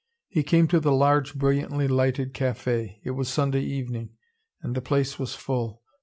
He came to the large, brilliantly lighted cafe. It was Sunday evening, and the place was full.